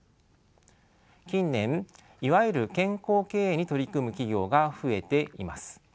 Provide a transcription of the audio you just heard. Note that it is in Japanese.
近年いわゆる健康経営に取り組む企業が増えています。